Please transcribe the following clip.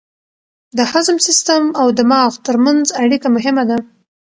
د هضم سیستم او دماغ ترمنځ اړیکه مهمه ده.